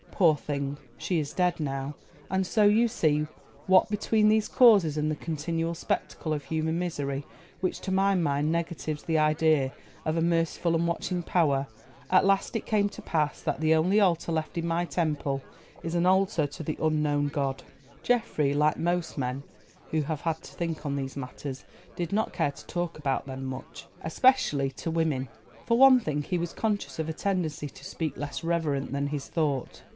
Poor thing, she is dead now. And so, you see, what between these causes and the continual spectacle of human misery which to my mind negatives the idea of a merciful and watching Power, at last it came to pass that the only altar left in my temple is an altar to the 'Unknown God.'" Geoffrey, like most men who have had to think on these matters, did not care to talk about them much, especially to women. For one thing, he was conscious of a tendency to speech less reverent than his thought.